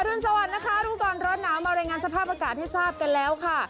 รุนสวัสดินะคะรู้ก่อนร้อนหนาวมารายงานสภาพอากาศให้ทราบกันแล้วค่ะ